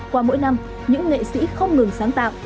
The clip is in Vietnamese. qua mỗi năm những nghệ sĩ không ngừng sáng tạo